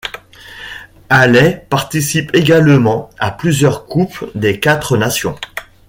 Haley participe également à plusieurs Coupe des quatre nations.